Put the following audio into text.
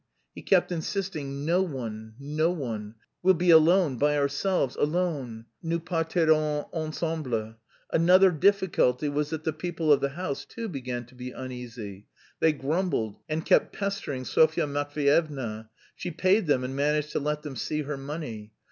He kept insisting, "No one, no one! We'll be alone, by ourselves, alone, nous partirons ensemble." Another difficulty was that the people of the house too began to be uneasy; they grumbled, and kept pestering Sofya Matveyevna. She paid them and managed to let them see her money.